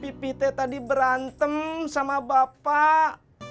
pipit tadi berantem sama bapak